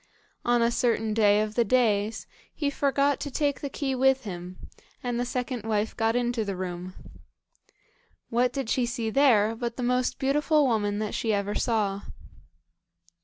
On a certain day of the days he forgot to take the key with him, and the second wife got into the room. What did she see there but the most beautiful woman that she ever saw.